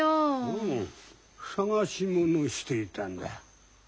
うん捜し物していたんだ。